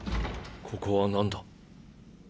ここは何だ？